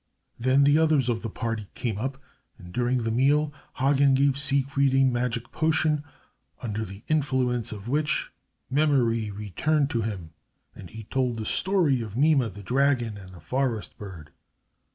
Then the others of the party came up, and during the meal Hagen gave Siegfried a magic potion, under the influence of which memory returned to him, and he told the story of Mime, the dragon, and the forest bird.